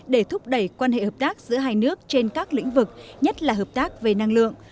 để thúc đẩy quan hệ hợp tác giữa hai nước trên các lĩnh vực nhất là hợp tác về năng lượng